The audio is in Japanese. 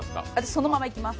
そのままいきます。